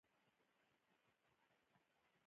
سرحدونه د افغانانو د ګټورتیا برخه ده.